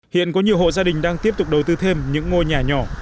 hiện có nhiều hộ gia đình đang tiếp tục đầu tư thêm những ngôi nhà nhỏ